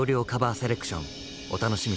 セレクションお楽しみください。